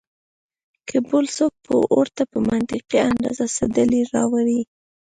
کۀ بل څوک ورته پۀ منطقي انداز څۀ دليل راوړي